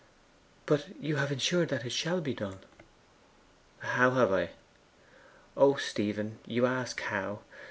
'But you have insured that it shall be done.' 'How have I?' 'O Stephen, you ask how!